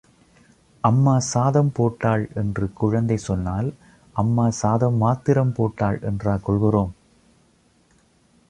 அம்மா சாதம் போட்டாள் என்று குழந்தை சொன்னால், அம்மா சாதம் மாத்திரம் போட்டாள் என்றா கொள்கிறோம்?